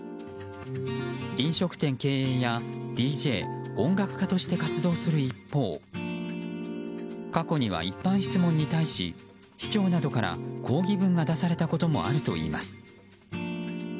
飲食店経営やＤＪ、音楽家として活動する一方過去には一般質問に対し市長などから抗議文が出されたこともあるといいます。